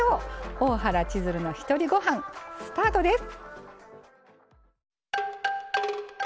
「大原千鶴のひとりごはん」スタートです。